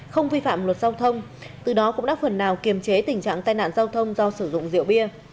không vi phạm luật giao thông từ đó cũng đã phần nào kiềm chế tình trạng tai nạn giao thông do sử dụng rượu bia